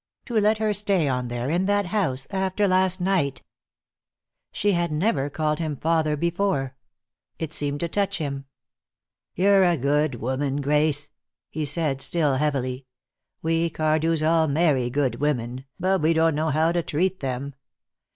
To let her stay on there, in that house, after last night " She had never called him "father" before. It seemed to touch him. "You're a good woman, Grace," he said, still heavily. "We Cardews all marry good women, but we don't know how to treat them.